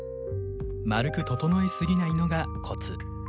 まるく整え過ぎないのがコツ。